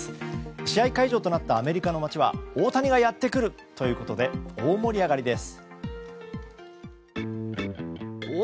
試合会場となったアメリカの街は大谷がやってくるということで大盛り上がりです。